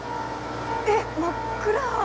えっ真っ暗！